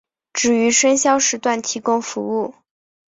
只于深宵时段提供服务。